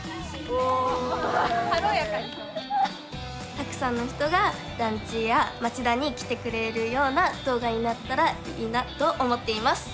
たくさんの人が団地や町田に来てくれるような動画になったらいいなと思っています。